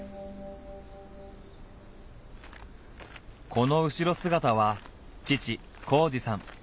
この後ろ姿は父紘二さん。